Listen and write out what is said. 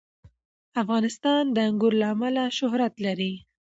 افغانستان د انګور له امله شهرت لري.